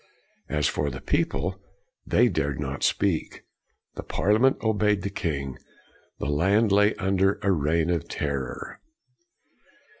As for the people, they dared not speak. The Parliament obeyed the king. The land lay under a reign of terror.